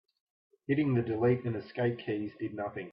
Hitting the delete and escape keys did nothing.